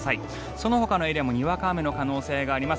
そのほかのエリアもにわか雨の可能性があります。